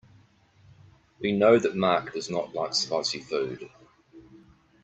We know that Mark does not like spicy food.